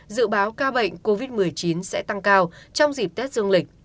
dự báo ca bệnh covid một mươi chín sẽ tăng cao trong dịp tết dương lịch